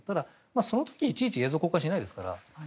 その時、いちいち映像を公開しないですから。